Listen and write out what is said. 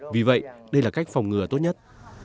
vì vậy đây là cách phòng ngừa tốt nhất